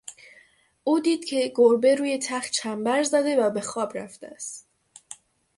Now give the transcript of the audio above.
او دید که گربه روی تخت چنبر زده و به خواب رفته است.